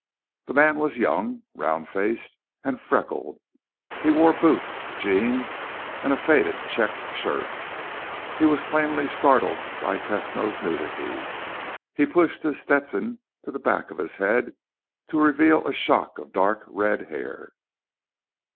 The man was young, round faced, and freckled. He wore boots, jeans, and a faded checked shirt. He was plainly startled by Tesno's nudity. He pushed his Stetson to the back of his head to reveal a shock of dark red hair.